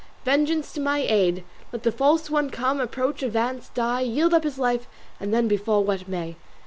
Vengeance to my aid! Let the false one come, approach, advance, die, yield up his life, and then befall what may.